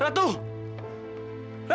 ratu tunggu rah